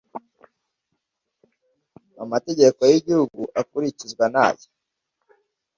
amategeko yigihugu akurikizwa ni aya